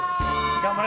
頑張れ！